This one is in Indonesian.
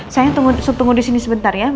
saya tunggu sunggu disini sebentar ya